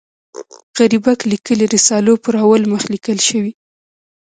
غریبک لیکلي رسالو پر اول مخ لیکل شوي.